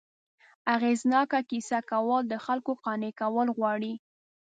اغېزناکه کیسه کول، د خلکو قانع کول غواړي.